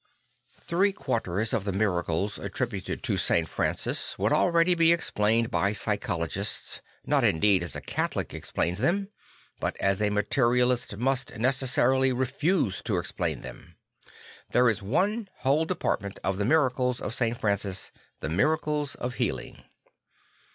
Three quarters of the miracles attributed to St. Francis would already be explained by psychologists, not indeed as a Catholic explains them, but as a materialist must necessarily refuse to explain them. There is one whole department of the miracles of St. Francis; the miracles of healing.